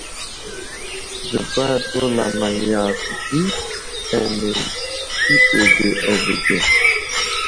Bəza dulama yakw ɗi ane di kə pege avige.